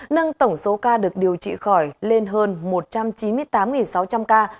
nâng tổng số ca được điều trị khỏi lên hơn một trăm chín mươi tám sáu trăm linh ca